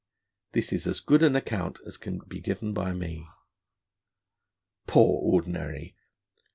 This is as good an account as can be given by me.' Poor Ordinary!